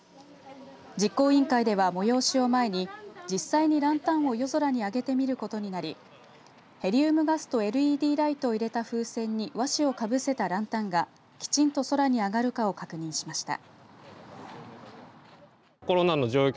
実行委員会では、催しを前に実際にランタンを夜空にあげてみることになりヘリウムガスとＬＥＤライトを入れた風船に和紙をかぶせたランタンがきちんと空に上がるかを確認しました。